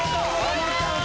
やった！